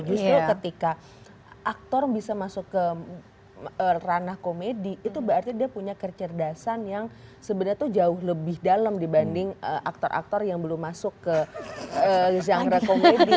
justru ketika aktor bisa masuk ke ranah komedi itu berarti dia punya kecerdasan yang sebenarnya tuh jauh lebih dalam dibanding aktor aktor yang belum masuk ke genre komedi